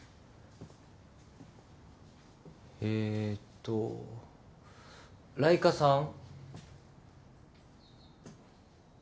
えっとライカさん。